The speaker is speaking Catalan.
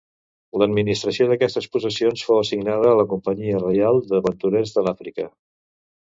L'administració d'aquestes possessions fou assignada a la Companyia Reial d'Aventurers a l'Àfrica.